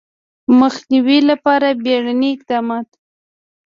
د مخنیوي لپاره بیړني اقدامات